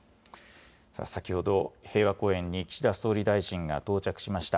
先ほど、平和公園に岸田総理大臣が到着しました。